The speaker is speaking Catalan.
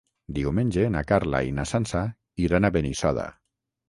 Diumenge na Carla i na Sança iran a Benissoda.